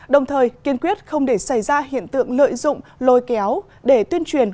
đồng thời kiên quyết không để xảy ra hiện tượng lợi dụng lôi kéo để tuyên truyền